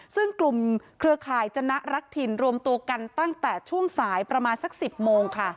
ซึ่งกลุ่มเครือข่ายจนะรักถิ่นรวมตัวกันตั้งแต่ช่วงสายประมาณสัก๑๐โมงค่ะ